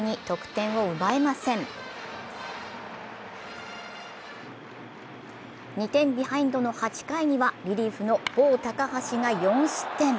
２点ビハインドの８回にはリリーフのボー・タカハシが４失点。